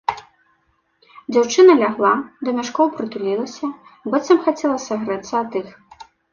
Дзяўчына лягла, да мяшкоў прытулілася, быццам хацела сагрэцца ад іх.